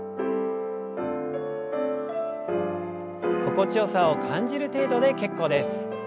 心地よさを感じる程度で結構です。